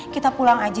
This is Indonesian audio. kita pulang aja ya